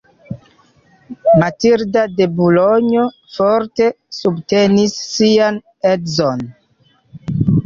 Matilda de Bulonjo forte subtenis sian edzon.